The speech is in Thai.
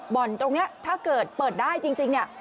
บ่อนตรงนี้ถ้าเกิดเปิดได้จริงเนี่ย